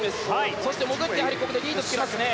そして潜ってここでリードをつけますね。